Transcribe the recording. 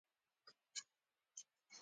متل دی: د شوروا مرور په غوښه پخلا.